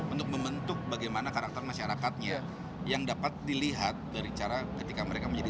untuk membentuk bagaimana karakter masyarakatnya yang dapat dilihat dari cara ketika mereka menjadi